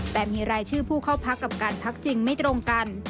แต่มีรายชื่อผู้เข้าพักกับการพักจริงไม่ตรงกัน